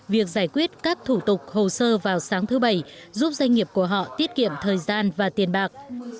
việc giải quyết các thủ tục hồ sơ vào sáng thứ bảy giúp doanh nghiệp của họ tiết kiệm thời gian và tiền bạc